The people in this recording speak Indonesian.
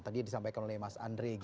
tadi disampaikan oleh mas andre gitu ya